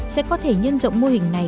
sẽ có thể nhân rộng mô hình này